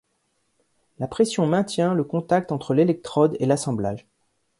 La pression maintient le contact entre l'électrode et l'assemblage.